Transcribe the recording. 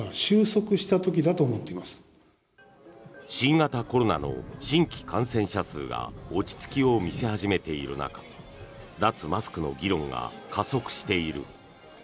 新型コロナの新規感染者数が落ち着きを見せ始めている中脱マスクの議論が加速している。